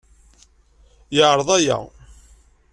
Yeɛreḍ aya.